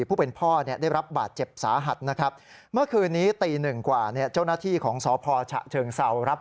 ผู้เป็นพ่อได้รับบาดเจ็บสาหัสนะครับ